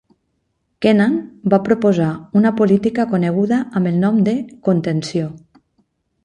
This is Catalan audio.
Kennan va proposar una política coneguda amb el nom de "contenció".